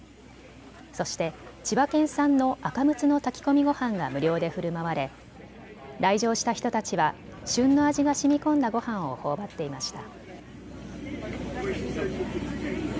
そして千葉県産のアカムツの炊き込みごはんが無料でふるまわれ来場した人たちは旬の味がしみこんだごはんをほおばっていました。